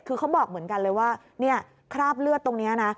คือเขาบอกเหมือนกันเลยว่าเนี่ยคราบเลือดตรงนี้นะ